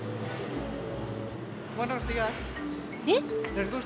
えっ？